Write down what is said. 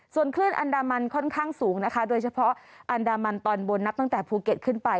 ส่วนคลื่นอันดามันค่อนข้างสูงนะคะโดยเฉพาะอันดามันตอนบนนับตั้งแต่ภูเก็ตขึ้นไป